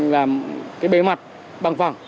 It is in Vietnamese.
làm cái bế mặt bằng phẳng